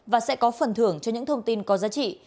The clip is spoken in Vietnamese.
và sẽ có phần thưởng cho những thông tin có giá trị